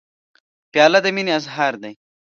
پیاله د مینې اظهار دی.